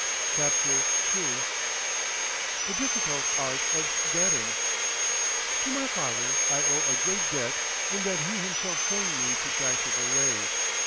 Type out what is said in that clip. CHAPTER II THE DIFFICULT ART OF GETTING To my father I owe a great debt in that he himself trained me to practical ways.